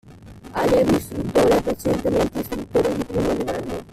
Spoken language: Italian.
Allievo istruttore, precedentemente Istruttore I° livello.